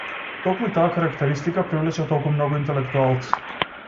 Токму таа карактеристика привлече толку многу интелектуалци.